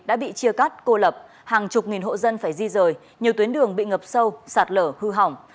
đã bị chia cắt cô lập hàng chục nghìn hộ dân phải di rời nhiều tuyến đường bị ngập sâu sạt lở hư hỏng